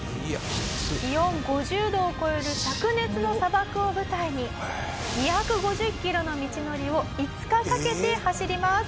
気温５０度を超える灼熱の砂漠を舞台に２５０キロの道のりを５日かけて走ります。